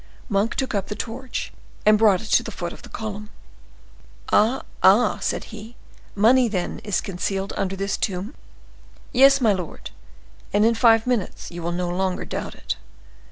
Monk took up the torch, and brought it to the foot of the column. "Ah, ah!" said he; "money, then, is concealed under this tomb?" "Yes, my lord; and in five minutes you will no longer doubt it."